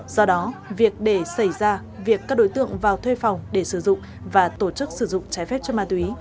do đó việc để xảy ra việc các đối tượng vào thuê phòng để sử dụng và tổ chức sử dụng trái phép cho ma túy